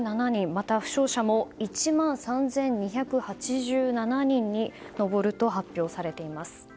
また、負傷者も１万３２８７人に上ると発表されています。